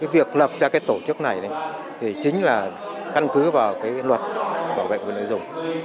việc lập ra tổ chức này chính là căn cứ vào luật bảo vệ người tiêu dùng